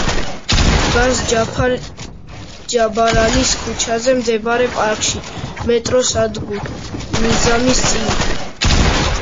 დგას ჯაფარ ჯაბარლის ქუჩაზე მდებარე პარკში, მეტროს სადგურ „ნიზამის“ წინ.